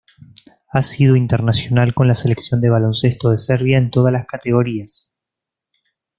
Ha sido internacional con la Selección de baloncesto de Serbia en todas las categorías.